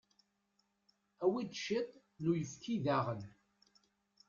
Awi-d ciṭ n uyefki daɣen.